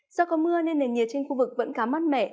do có mưa nên nền nhiệt trên khu vực vẫn khá mát mẻ